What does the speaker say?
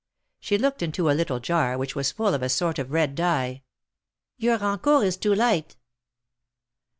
She looked into a little jar, which was full of a sort of red dye. " Your rancourt is too light."